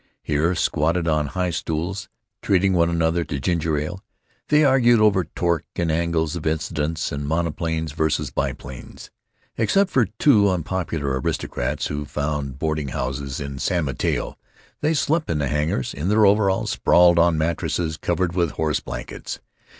Here, squatted on high stools, treating one another to ginger ale, they argued over torque and angles of incidence and monoplanes vs. biplanes. Except for two unpopular aristocrats who found boarding houses in San Mateo, they slept in the hangars, in their overalls, sprawled on mattresses covered with horse blankets.